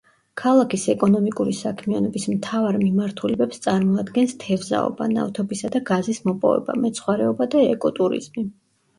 ქალაქის ეკონომიკური საქმიანობის მთავარ მიმართულებებს წარმოადგენს თევზაობა, ნავთობისა და გაზის მოპოვება, მეცხვარეობა და ეკოტურიზმი.